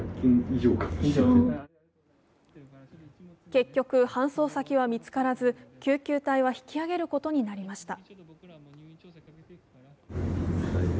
結局、搬送先は見つからず、救急隊は引き上げることになりました。